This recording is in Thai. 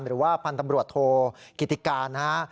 หรือว่าพันธ์ตำรวจโทกิติการนะฮะ